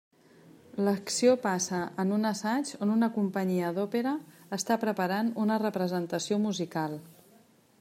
L'acció passa en un assaig on una companyia d'òpera està preparant una representació musical.